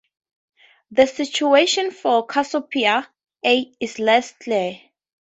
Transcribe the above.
The situation for Cassiopeia A is less clear.